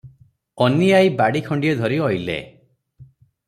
ଅନୀ ଆଈ ବାଡ଼ି ଖଣ୍ଡିଏ ଧରି ଅଇଲେ ।